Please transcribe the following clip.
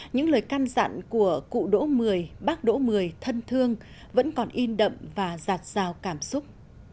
những lời can dặn của cụ đỗ mười bác đỗ mười thân thương vẫn còn in đậm và giạt rào cảm xúc